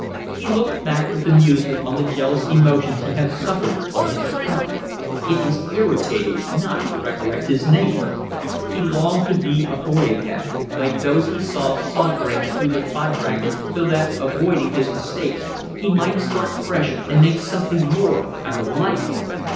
He looked back with amusement on the jealous emotions he had suffered on his account. It was irritating not to recollect his name. He longed to be a boy again, like those he saw sauntering through the quadrangle, so that, avoiding his mistakes, he might start fresh and make something more out of life.